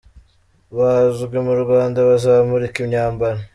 Bazwi mu Rwanda bazamurika imyambaro.